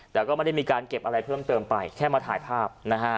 แต่ก็ไม่ได้มีการเก็บอะไรเพิ่มเติมไปแค่มาถ่ายภาพนะฮะ